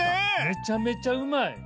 めちゃめちゃうまい。